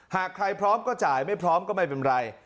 หากใครพร้อมก็จ่ายไม่พร้อมก็ไม่เป็นไร